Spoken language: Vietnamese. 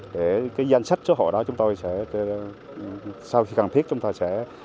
để cái danh sách số hộ đó chúng tôi sẽ sau khi cần thiết chúng ta sẽ